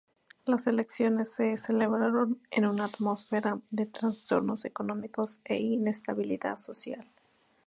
Las elecciones se celebraron en una atmósfera de trastornos económicos e inestabilidad social.